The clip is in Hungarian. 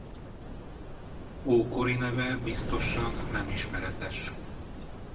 Ókori neve biztosan nem ismeretes.